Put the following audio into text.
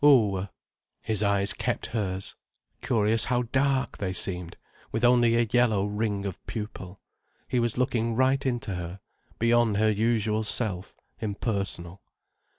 "Who?" His eyes kept hers. Curious how dark they seemed, with only a yellow ring of pupil. He was looking right into her, beyond her usual self, impersonal.